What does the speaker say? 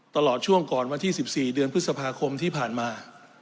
ตลอดช่วงก่อนวันที่๑๔เดือนพฤษภาคมที่ผ่านมา